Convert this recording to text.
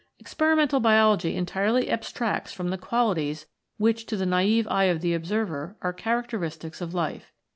Experimental Biology entirely abstracts from the qualities which to the naive eye of the observer are characteristics of life.